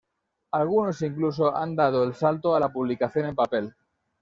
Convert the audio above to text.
Algunos incluso han dado el salto a la publicación en papel.